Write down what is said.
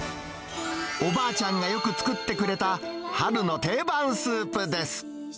おばあちゃんがよく作ってくれた、春の定番スープです。